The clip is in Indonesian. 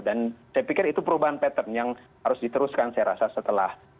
dan saya pikir itu perubahan pattern yang harus diteruskan saya rasa setelah